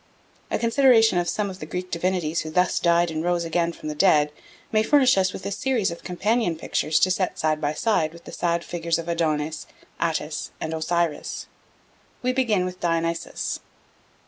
A consideration of some of the Greek divinities who thus died and rose again from the dead may furnish us with a series of companion pictures to set side by side with the sad figures of Adonis, Attis, and Osiris. We begin with Dionysus.